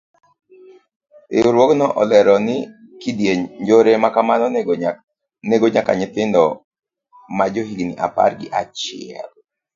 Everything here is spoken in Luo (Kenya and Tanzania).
Riwruogno olero ni kidienj njore makamano nego nyaka nyithindo majo higni apar gi achiel.